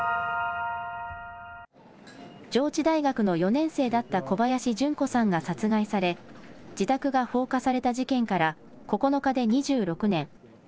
上智大学の４年生だった小林順子さんが殺害され、自宅が放火された事件から９日で２６年。